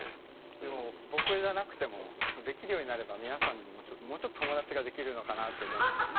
でも僕じゃなくてもできるようになれば皆さんにももうちょっと友だちができるのかなと思うんですけど。